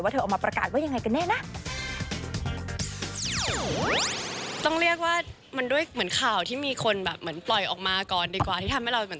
เธอออกมาประกาศว่ายังไงกันแน่นะ